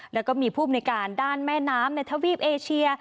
แล้วก็มีภูมิในการด้านแม่น้ำในทวีปเอเชีย